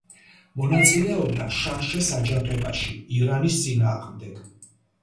მონაწილეობდა შანშეს აჯანყებაში ირანის წინააღმდეგ.